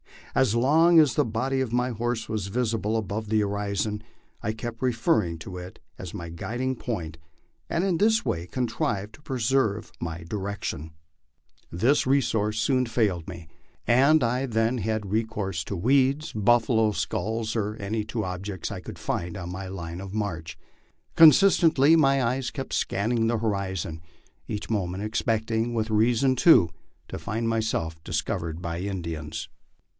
As long as the body of my horse was visible above the horizon, I kept referring to it as my guiding point, and in this way contrived to preserve my direction. This re MY LIFE OX THE PLAINS. 35 source soou foiled me, and I then had recourse to weeds, buffalo skulls, or any swo objects I could find on my line of march. Constantly my eyes kept scan ning the horizon, each moment expecting, and with reason too, to find myself discovered by Indians.